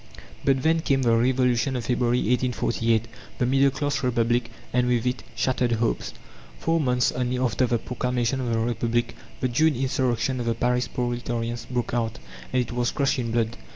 But then came the Revolution of February, 1848, the middle class Republic, and with it, shattered hopes. Four months only after the proclamation of the Republic, the June insurrection of the Paris proletarians broke out, and it was crushed in blood.